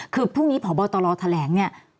คือพรุ่งนี้ผ่อเบาตะลอแถลงนี่